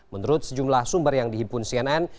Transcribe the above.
menurut sejumlah sumber yang dihimpun cnn